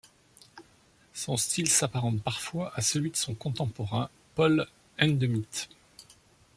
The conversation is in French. Son style s’apparente parfois à celui de son contemporain, Paul Hindemith.